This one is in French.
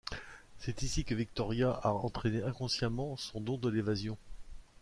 C'est ici que Victoria a entraîné inconsciemment son don de l'évasion.